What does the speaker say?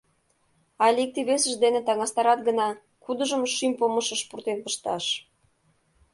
Але икте-весышт дене таҥастарат гына: кудыжым шӱм помышыш пуртен пышташ?